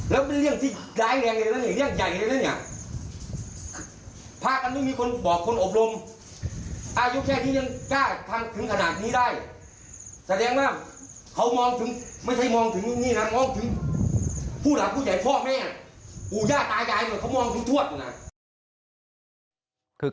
เรื่องแค่เนี่ยก็ยังไปทำกัน